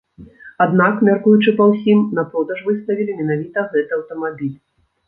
Аднак, мяркуючы па ўсім, на продаж выставілі менавіта гэты аўтамабіль.